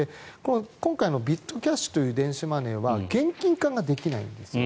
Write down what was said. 今回のビットキャッシュという電子マネーは現金化ができないんです。